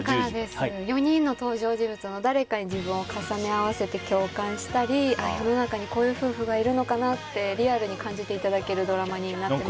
４人の登場人物に誰かに自分を重ね合わせて共感したり世の中にこういう夫婦がいるのかなってリアルに感じていただけるドラマになっています。